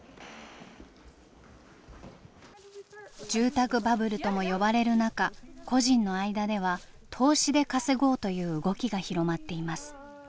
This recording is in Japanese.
住宅バブルとも呼ばれる中個人の間では投資で稼ごうという動きが広まっています。